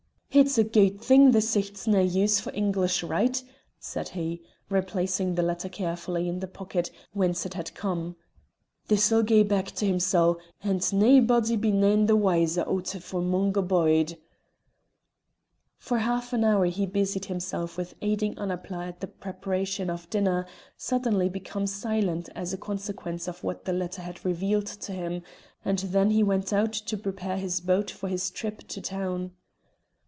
"It's a guid thing the Sicht's nae use for English write," said he, replacing the letter carefully in the pocket whence it had come. "This'll gae back to himsel', and naebody be nane the wiser o't for Mungo Byde." For half an hour he busied himself with aiding Annapla at the preparation of dinner, suddenly become silent as a consequence of what the letter had revealed to him, and then he went out to prepare his boat for his trip to town.